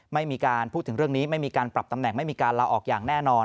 ไม่มีการพูดถึงเรื่องนี้ไม่มีการปรับตำแหน่งไม่มีการลาออกอย่างแน่นอน